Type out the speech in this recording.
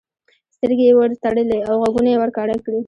سترګې یې ورتړلې او غوږونه یې ورکاڼه کړي.